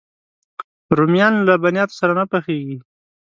رومیان له لبنیاتو سره نه پخېږي